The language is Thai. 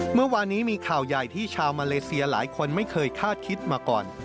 เมื่อวานนี้มีข่าวใหญ่ที่ชาวมาเลเซียหลายคนไม่เคยคาดคิดมาก่อน